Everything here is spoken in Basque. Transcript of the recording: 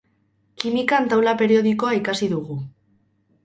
Kimikan taula periodikoa ikasi dugu.